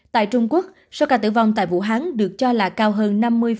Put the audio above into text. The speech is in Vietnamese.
tại trung quốc số ca tử vong tại vũ hán được cho là cao hơn năm mươi